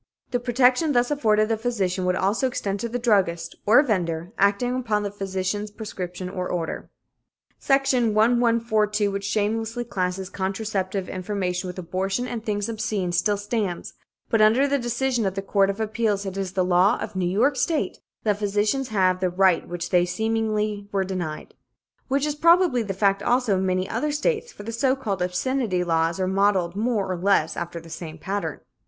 "The protection thus afforded the physician would also extend to the druggist, or vendor, acting upon the physician's prescription or order." Section 1142, which shamelessly classes contraceptive information with abortion and things obscene, still stands, but under the decision of the Court of Appeals, it is the law of New York State that physicians have the right which they were seemingly denied. Such is probably the fact, also, in many other states, for the so called "obscenity" laws are modelled more or less, after the same pattern.